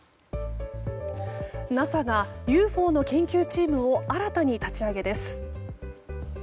ＮＡＳＡがＵＦＯの研究チームを新たに立ち上げです。